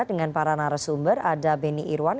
dengan para narasumber ada beni irwan